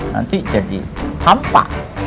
nanti jadi hampa